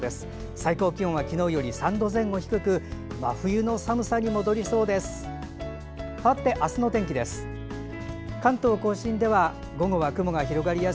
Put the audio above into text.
最高気温は昨日より３度前後低く真冬の寒さに戻りそうです。